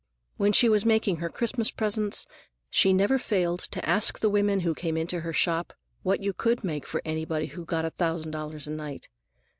When she was making her Christmas presents, she never failed to ask the women who came into her shop what you could make for anybody who got a thousand dollars a night.